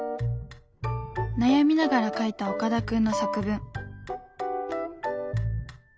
悩みながら書いた岡田くんの作文。